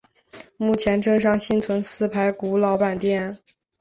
目前镇上幸存四排古老板店。